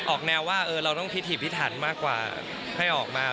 ออกแนวว่าเราต้องพิถีพิถันมากกว่าให้ออกมา